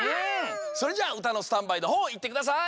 それじゃあうたのスタンバイのほういってください。